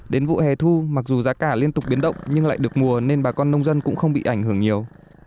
đến vụ hè thu mặc dù giá cả liên tục biến động nhưng lại được mùa nên bà con nông dân cũng không bị ảnh hưởng nhiều